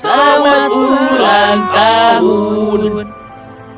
selamat ulang tahun